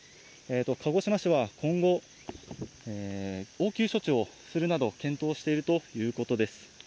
鹿児島市は今後、応急措置をするなど検討しているということです。